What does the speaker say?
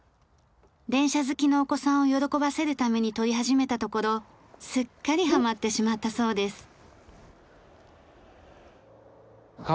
電車好きのお子さんを喜ばせるために撮り始めたところすっかりハマってしまったそうです。